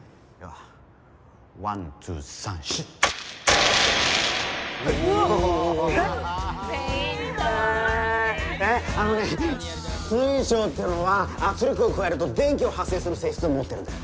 あのね水晶ってのは圧力を加えると電気を発生する性質を持ってるんだ。